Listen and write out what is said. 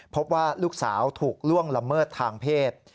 พบว่าลูกสาวถูกล่วงละเมิดทางเพศ